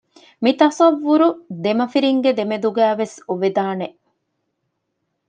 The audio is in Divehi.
މި ތަޞައްވުރު ދެމަފިންގެ ދެމެދުގައި ވެސް އޮވެދާނެ